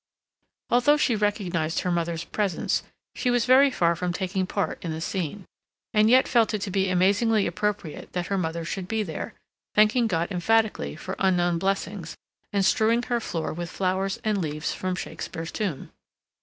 Although she recognized her mother's presence, she was very far from taking part in the scene, and yet felt it to be amazingly appropriate that her mother should be there, thanking God emphatically for unknown blessings, and strewing the floor with flowers and leaves from Shakespeare's tomb.